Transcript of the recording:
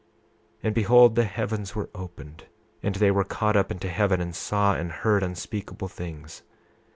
28:13 And behold, the heavens were opened, and they were caught up into heaven, and saw and heard unspeakable things.